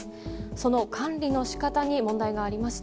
その管理の仕方に問題がありました。